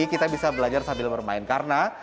kita bisa belajar sambil bermain karena